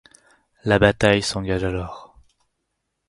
La bataille s'engage alors.